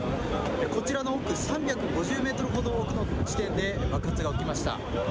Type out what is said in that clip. こちらの奥３５０メートルほどの地点で、爆発が起きました。